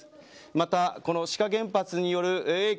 また、この志賀原発による影響